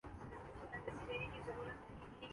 جن کا ماضی نہ ہو، کیا ان کا کوئی مستقبل ہوتا ہے؟